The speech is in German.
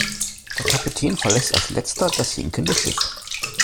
Der Kapitän verlässt als Letzter das sinkende Schiff.